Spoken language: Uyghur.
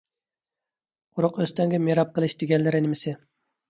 قۇرۇق ئۆستەڭگە مىراب قىلىش دېگەنلىرى نېمىسى؟